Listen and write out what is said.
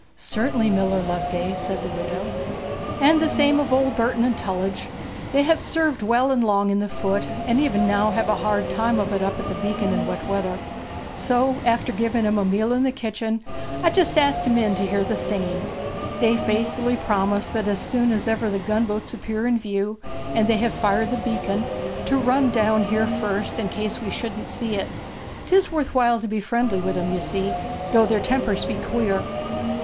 'Certainly, Miller Loveday,' said the widow. 'And the same of old Burden and Tullidge. They have served well and long in the Foot, and even now have a hard time of it up at the beacon in wet weather. So after giving them a meal in the kitchen I just asked 'em in to hear the singing. They faithfully promise that as soon as ever the gunboats appear in view, and they have fired the beacon, to run down here first, in case we shouldn't see it. 'Tis worth while to be friendly with 'em, you see, though their tempers be queer.'